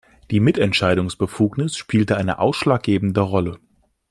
Die Mitentscheidungsbefugnis spielte eine ausschlaggebende Rolle.